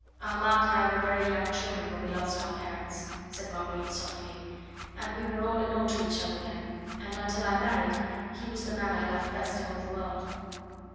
"Armand and I were very young children when we lost our parents," said Marguerite softly, "and we were all in all to each other then. And until I married he was the man I loved best in all the world."